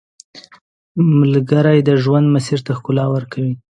ملګری د ژوند مسیر ته ښکلا ورکوي